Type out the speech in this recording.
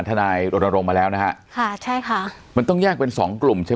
ทนายรณรงค์มาแล้วนะฮะค่ะใช่ค่ะมันต้องแยกเป็นสองกลุ่มใช่ไหม